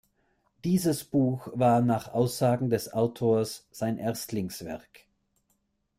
Dieses Buch war nach Aussagen des Autors sein Erstlingswerk.